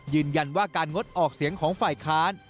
ยืนยันว่าการงดออกเสียงของฝ่ายค้าน